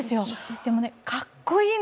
でもかっこいいの。